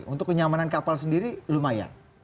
untuk kenyamanan kapal sendiri lumayan